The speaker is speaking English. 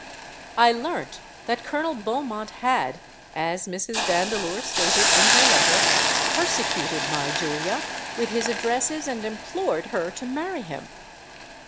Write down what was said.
"I learnt that Colonel Beaumont had, as Mrs. Vandeleur stated in her letter, persecuted my Julia with his addresses, and implored her to marry him.